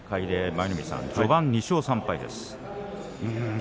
舞の海さん、序盤２勝３敗です。